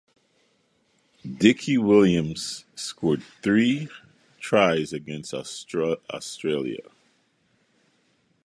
Dickie Williams scored three tries against Australia.